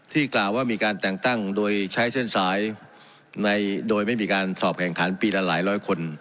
กล่าวว่ามีการแต่งตั้งโดยใช้เส้นสายโดยไม่มีการสอบแข่งขันปีละหลายร้อยคน